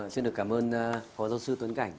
xin được cảm ơn phó giáo sư tuấn cảnh